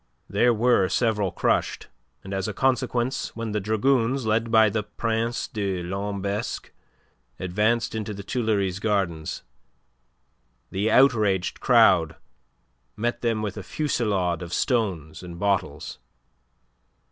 There were several crushed, and as a consequence when the dragoons, led by the Prince de Lambesc, advanced into the Tuileries Gardens, the outraged crowd met them with a fusillade of stones and bottles.